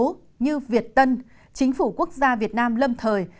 tổ chức khủng bố như việt tân chính phủ quốc gia việt nam lâm thời